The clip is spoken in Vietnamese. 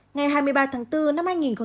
ngày hai mươi ba tháng bốn năm hai nghìn bốn